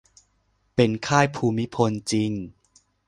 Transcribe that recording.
เป็น "ค่ายภูมิพล" จริง